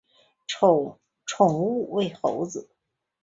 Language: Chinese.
宠物为猴仔。